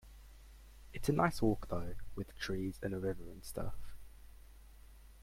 It's a nice walk though, with trees and a river and stuff.